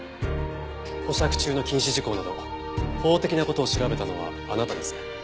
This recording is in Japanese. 保釈中の禁止事項など法的な事を調べたのはあなたですね。